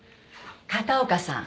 片岡さん